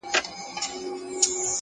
شکر دی گراني چي زما له خاندانه نه يې!